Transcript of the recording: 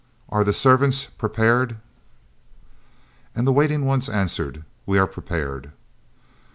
"Are the Servants prepared?" And the waiting ones answered: "We are prepared."